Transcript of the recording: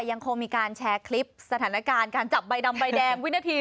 ยังคงมีการแชร์คลิปสถานการณ์การจับใบดำใบแดงวินาที